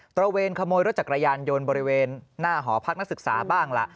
ระเวนขโมยรถจักรยานยนต์บริเวณหน้าหอพักนักศึกษาบ้างล่ะ